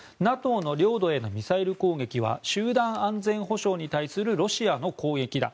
ＮＡＴＯの領土へのミサイル攻撃は集団安全保障に対するロシアの攻撃だ。